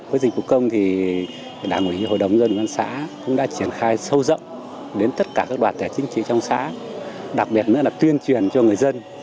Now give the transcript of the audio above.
với dịch vụ công thì đảng ủy hội đồng dân quán xã cũng đã triển khai sâu rộng đến tất cả các đoàn thể chính trị trong xã đặc biệt nữa là tuyên truyền cho người dân